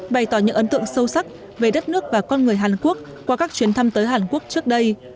bày tỏ những ấn tượng sâu sắc về đất nước và con người hàn quốc qua các chuyến thăm tới hàn quốc trước đây